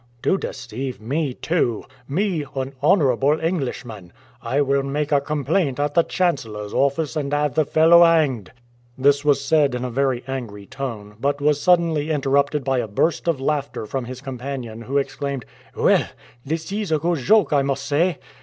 "To deceive me, too! Me, an honorable Englishman! I will make a complaint at the chancellor's office and have the fellow hanged." This was said in a very angry tone, but was suddenly interrupted by a burst of laughter from his companion, who exclaimed, "Well! this is a good joke, I must say."